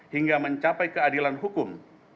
hingga mencapai keadilan hukum